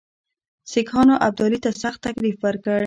سیکهانو ابدالي ته سخت تکلیف ورکړ.